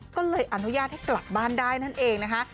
ก็เลยอนุญาตให้กลับบ้านได้นั่นเองนะคะ